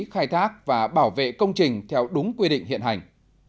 khai thác và bảo vệ công trình theo đúng quy định hiện hành